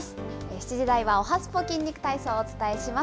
７時台はおはＳＰＯ筋肉体操をお伝えします。